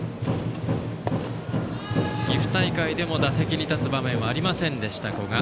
岐阜大会でも打席に立つ場面はありませんでした、古賀。